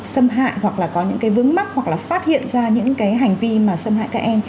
xâm hại hoặc là có những cái vướng mắc hoặc là phát hiện ra những cái hành vi mà xâm hại các em